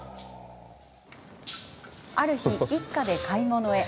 ある日、一家で買い物へ。